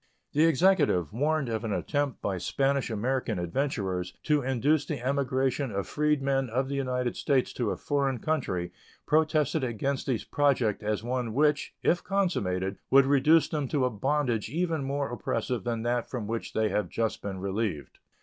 The Executive, warned of an attempt by Spanish American adventurers to induce the emigration of freedmen of the United States to a foreign country, protested against the project as one which, if consummated, would reduce them to a bondage even more oppressive than that from which they have just been relieved.